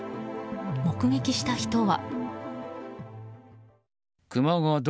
目撃した人は。